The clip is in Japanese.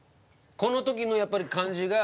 この時のやっぱり感じが。